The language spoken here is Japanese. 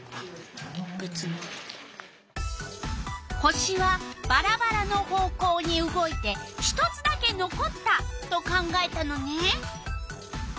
星はばらばらの方向に動いて１つだけのこったと考えたのね。